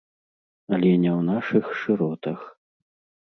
Але не ў нашых шыротах.